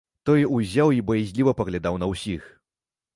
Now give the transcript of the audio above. Той узяў і баязліва паглядаў на ўсіх.